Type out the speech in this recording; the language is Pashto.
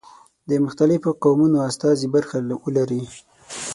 د مختلفو قومونو استازي برخه ولري.